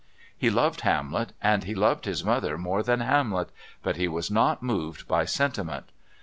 He loved Hamlet, and he loved his mother more than Hamlet; but he was not moved by sentiment.